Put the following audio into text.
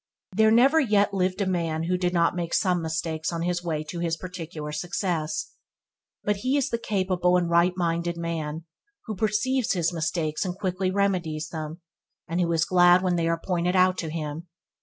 There never yet lived a man who did not make some mistakes on his way to his particular success, but he is the capable and right minded man who perceives his mistakes and quickly remedies them, and who is glad when they are pointed out to him.